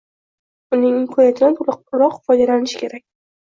Uning imkoniyatidan to‘laroq foydalanish kerak.